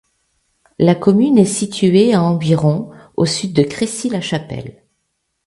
La commune est située à environ au sud de Crécy-la-Chapelle.